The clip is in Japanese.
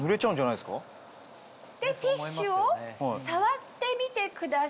ティッシュを触ってみてください。